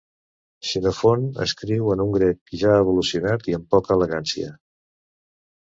Xenofont escriu en un grec ja evolucionat i amb poca elegància.